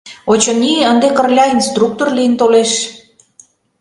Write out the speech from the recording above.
Очыни, ынде Кырля инструктор лийын толеш.